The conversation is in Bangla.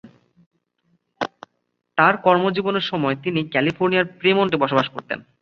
তার কর্মজীবনের সময় তিনি ক্যালিফোর্নিয়ার ফ্রেমন্টে বসবাস করতেন।